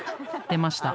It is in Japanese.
出ました］